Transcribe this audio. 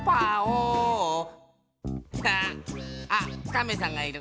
カメさんがいる。